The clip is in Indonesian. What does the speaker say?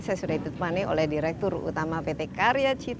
saya sudah ditemani oleh direktur utama pt karya citra